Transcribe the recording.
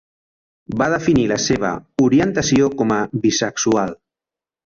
Va definir la seva orientació com a bisexual.